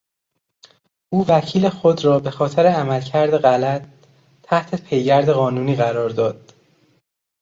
او وکیل خود را به خاطر عملکرد غلط تحت پیگرد قانونی قرار داد.